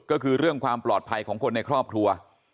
ก็คือเรื่องความปลอดภัยของคนในครอบครัว